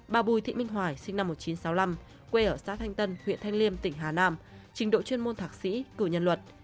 bà bùi thị minh hoài sinh năm một nghìn chín trăm sáu mươi năm quê ở xã thanh tân huyện thanh liêm tỉnh hà nam trình độ chuyên môn thạc sĩ cử nhân luật